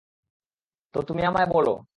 তো, তুমি আমায় বলো।